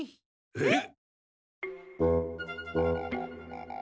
えっ？